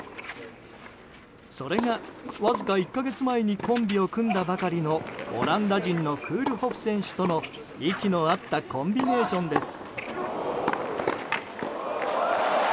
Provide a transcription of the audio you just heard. それが、わずか１か月前にコンビを組んだばかりのオランダ人のクールホフ選手との息の合ったコンビネーションです。